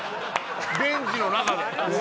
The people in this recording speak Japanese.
ベンチの中で」